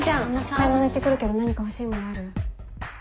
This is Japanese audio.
買い物行って来るけど何か欲しいものある？